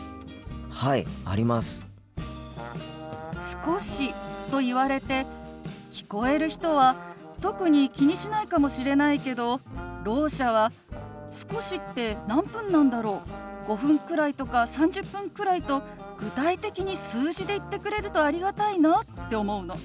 「少し」と言われて聞こえる人は特に気にしないかもしれないけどろう者は「少しって何分なんだろう？『５分くらい』とか『３０分くらい』と具体的に数字で言ってくれるとありがたいな」って思うの。